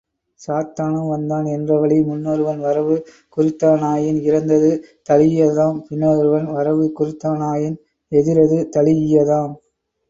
சாத்தனும் வந்தான் என்றவழி, முன்னொருவன் வரவு குறித்தானாயின் இறந்தது தழீயதாம் பின்னொருவன் வரவு குறித்தானாயின் எதிரது தழீஇயதாம்.